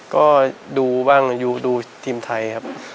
ก็ดูบ้างดูทีมไทยครับ